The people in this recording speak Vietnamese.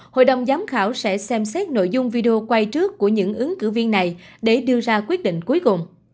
hội đồng giám khảo sẽ xem xét nội dung video quay trước của những ứng cử viên này để đưa ra quyết định cuối cùng